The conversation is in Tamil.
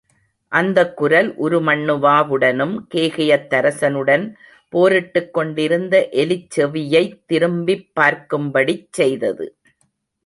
அந்தக் குரல் உருமண்ணுவாவுடனும் கேகயத்தரசனுடன் போரிட்டுக் கொண்டிருந்த எலிச்செவியைத் திரும்பிப் பார்க்கும்படிச் செய்தது.